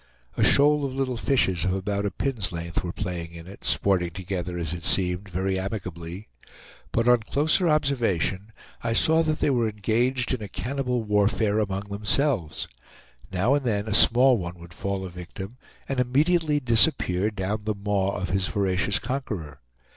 A shoal of little fishes of about a pin's length were playing in it, sporting together, as it seemed, very amicably; but on closer observation, I saw that they were engaged in a cannibal warfare among themselves. Now and then a small one would fall a victim, and immediately disappear down the maw of his voracious conqueror.